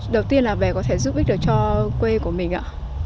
đầu tiên là về có thể giúp ích được cho quê của mình ạ